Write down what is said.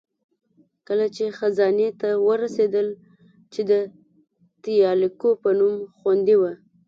کله چې خزانې ته ورسېدل، چې د تیالکو په نوم خوندي وه.